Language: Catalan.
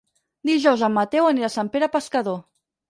Dijous en Mateu anirà a Sant Pere Pescador.